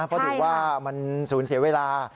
เพราะถือว่ามันสูญเสียเวลา